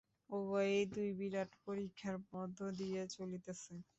উভয়েই দুই বিরাট পরীক্ষার মধ্য দিয়া চলিতেছে।